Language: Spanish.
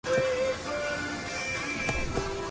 Sofía Gómez Apneista, Egresada de Ingeniería Civil.